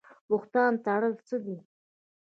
بهتان تړل څه دي؟